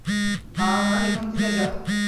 হা-না, এখান থেকে যাও।